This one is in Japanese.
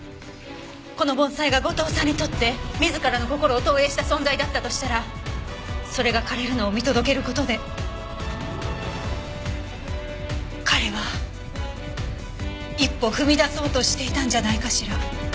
この盆栽が後藤さんにとって自らの心を投影した存在だったとしたらそれが枯れるのを見届ける事で彼は一歩踏み出そうとしていたんじゃないかしら。